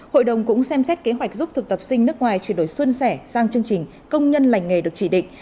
hội đồng cũng xem xét kế hoạch giúp thực tập sinh nước ngoài chuyển đổi xuân sẻ sang chương trình công nhân lành nghề được chỉ định